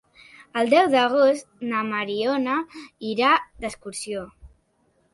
El deu d'agost na Mariona irà d'excursió.